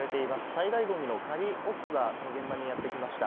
災害ゴミの仮置き場、その現場にやってきました。